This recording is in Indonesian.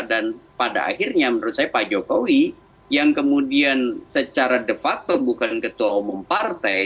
dan pada akhirnya menurut saya pak jokowi yang kemudian secara de facto bukan ketua umum partai